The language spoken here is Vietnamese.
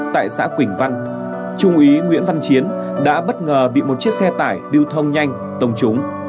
tại xã quỳnh văn chung ý nguyễn văn chiến đã bất ngờ bị một chiếc xe tải điêu thông nhanh tông trúng